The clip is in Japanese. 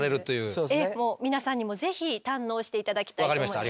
ええもう皆さんにもぜひ堪能して頂きたいと思います。